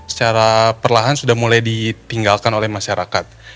secara perlahan sudah mulai ditinggalkan oleh masyarakat